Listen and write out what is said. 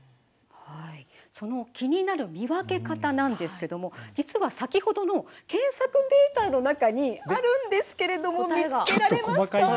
気になる見分け方なんですけども実は先ほどの検索データの中にあるんですけれども見つけられますか？